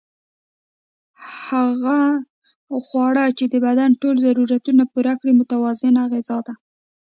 هغه خواړه چې د بدن ټول ضرورتونه پوره کړي متوازنه غذا ده